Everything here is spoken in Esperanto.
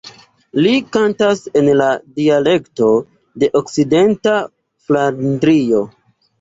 Li kantas en la dialekto de Okcidenta Flandrio.